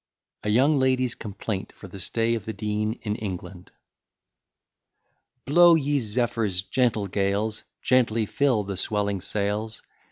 E. B._] A YOUNG LADY'S COMPLAINT FOR THE STAY OF THE DEAN IN ENGLAND Blow, ye zephyrs, gentle gales; Gently fill the swelling sails.